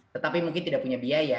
tetapi mungkin tidak punya biaya